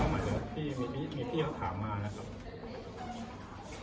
เหมาะมีพี่เขาถามมานะครับ